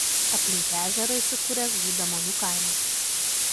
Aplink ežerą įsikūręs Gaidamonių kaimas.